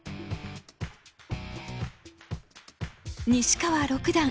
西川六段